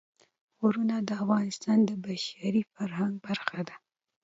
غرونه د افغانستان د بشري فرهنګ برخه ده.